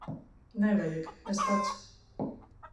Nevajag. Es pats.